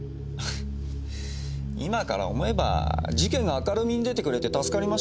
今から思えば事件が明るみに出てくれて助かりました。